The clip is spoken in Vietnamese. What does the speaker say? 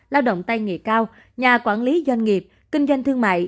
lao động tay nghề cao nhà quản lý doanh nghiệp kinh doanh thương mại